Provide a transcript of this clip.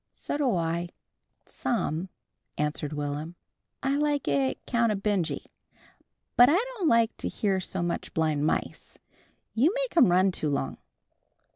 "So do I some," answered Will'm. "I like it 'count of Benjy. But I don't like to hear so much blind mice. You make 'm run too long."